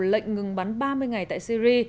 lệnh ngừng bắn ba mươi ngày tại syri